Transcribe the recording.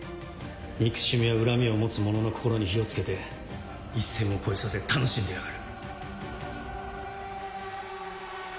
憎しみや恨みを持つ者の心に火を付けて一線を越えさえ楽しんでやがる。